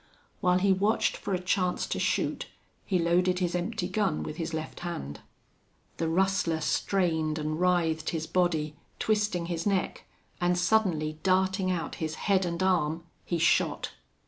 While he watched for a chance to shoot he loaded his empty gun with his left hand. The rustler strained and writhed his body, twisting his neck, and suddenly darting out his head and arm, he shot.